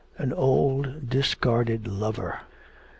an old, discarded lover.